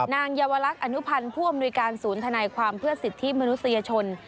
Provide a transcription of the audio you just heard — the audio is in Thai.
เยาวลักษณ์อนุพันธ์ผู้อำนวยการศูนย์ธนายความเพื่อสิทธิมนุษยชน